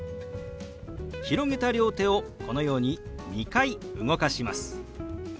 広げた両手をこのように２回動かします。